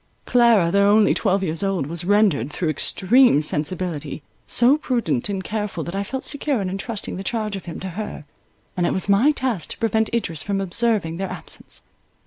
Clara, though only twelve years old, was rendered, through extreme sensibility, so prudent and careful, that I felt secure in entrusting the charge of him to her, and it was my task to prevent Idris from observing their absence.